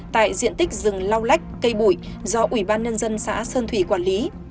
tại diện tích rừng lau lách cây bụi do ủy ban nhân dân xã sơn thủy quản lý